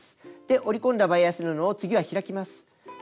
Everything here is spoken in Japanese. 折り込んだバイアス布を次は開きます。